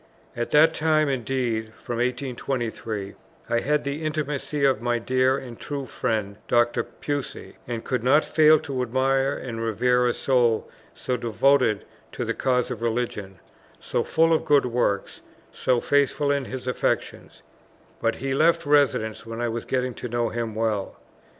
At that time indeed (from 1823) I had the intimacy of my dear and true friend Dr. Pusey, and could not fail to admire and revere a soul so devoted to the cause of religion, so full of good works, so faithful in his affections; but he left residence when I was getting to know him well.